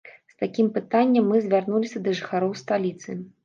З такім пытаннем мы звярнуліся да жыхароў сталіцы.